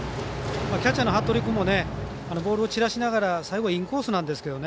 キャッチャーの服部君もボールを散らしながら最後、インコースなんですよね。